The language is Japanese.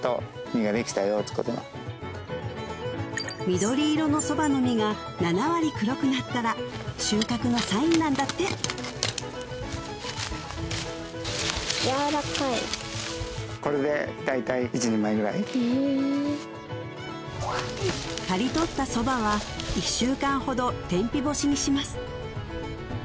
緑色のそばの実が７割黒くなったら収穫のサインなんだって刈り取ったそばは１週間ほど天日干しにします